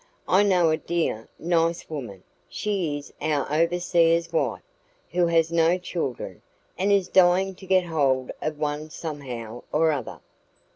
I know a dear, nice woman she is our overseer's wife who has no children, and is dying to get hold of one somehow or other.